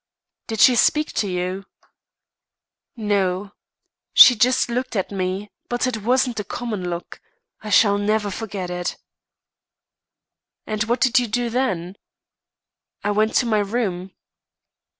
"Did she speak to you?" "No. She just looked at me; but it wasn't a common look. I shall never forget it." "And what did you do then?" "I went to my room."